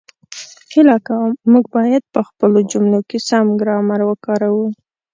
هیله کووم، موږ باید په خپلو جملو کې سم ګرامر وکاروو